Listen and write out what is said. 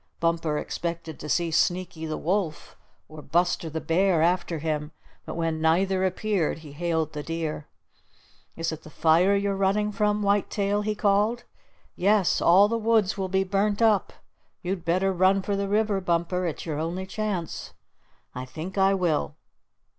Bumper expected to see Sneaky the Wolf or Buster the Bear after him, but when neither appeared he hailed the deer. "Is it the fire you're running from, White Tail?" he called. "Yes, all the woods will be burnt up. You'd better run for the river, Bumper. It's your only chance." "I think I will."